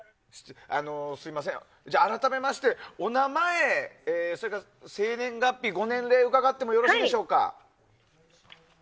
すみません、改めましてお名前それから生年月日ご年齢を伺ってもよろしいでしょうか。